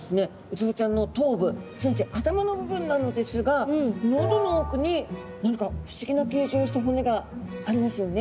ウツボちゃんの頭部すなわち頭の部分なのですが喉の奥に何か不思議な形状をした骨がありますよね。